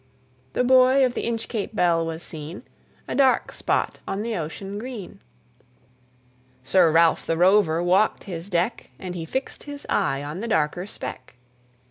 The buoy of the Inchcape Bell was seen, A dark spot on the ocean green; Sir Ralph the Rover walked his deck, And he fixed his eye on the darker speck.